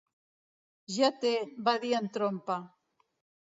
Ja té, va dir en Trompa.